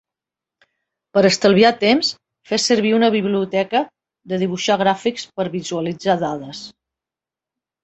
Per estalviar temps, fes servir una biblioteca de dibuixar gràfics per visualitzar dades.